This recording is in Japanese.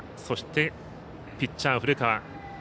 そして、ピッチャー、古川。